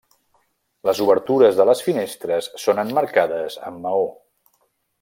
Les obertures de les finestres són emmarcades amb maó.